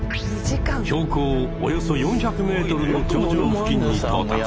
標高およそ４００ｍの頂上付近に到達！